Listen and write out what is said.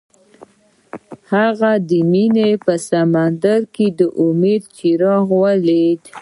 هغه د مینه په سمندر کې د امید څراغ ولید.